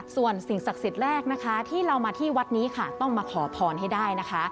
ส่วนสิ่งศักดิ์สิทธิ์แรกนะคะที่เรามาที่วัดนี้ค่ะต้องมาขอพรให้ได้นะคะ